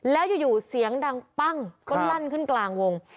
แล้วอยู่เสียงดังปั้งก็ลั่นขึ้นกลางวง